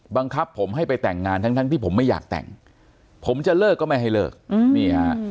บังคับผมให้ไปแต่งงานทั้งที่ผมไม่อยากแต่งผมจะเลิกก็ไม่ให้เลิกนี่ฮะ